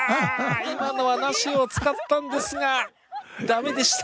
「今のはナシよ！」を使ったんですがだめでした。